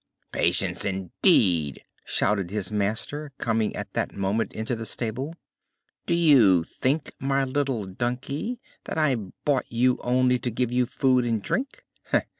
"Patience indeed!" shouted his master, coming at that moment into the stable. "Do you think, my little donkey, that I bought you only to give you food and drink?